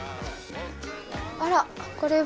あらこれは。